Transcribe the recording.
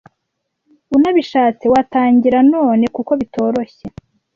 Unabishatse watangira none kuko bitoroshe